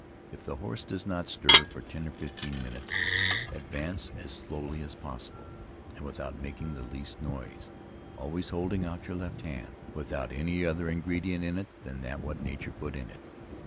If the horse does not stir for ten or fifteen minutes, advance as slowly as possible, and without making the least noise, always holding out your left hand, without any other ingredient in it than that what nature put in it."